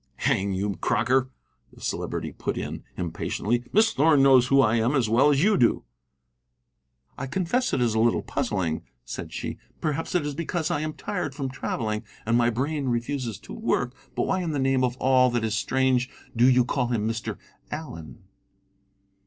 "Hang you, Crocker," the Celebrity put in impatiently; "Miss Thorn knows who I am as well as you do." "I confess it is a little puzzling," said she; "perhaps it is because I am tired from travelling, and my brain refuses to work. But why in the name of all that is strange do you call him Mr. Allen?"